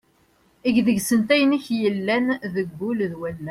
Eg deg-sent ayen i k-yellan deg wul d wallaɣ.